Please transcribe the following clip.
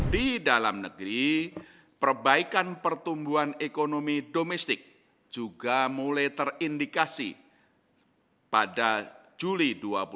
di dalam negeri perbaikan pertumbuhan ekonomi domestik juga mulai terindikasi pada juli dua ribu dua puluh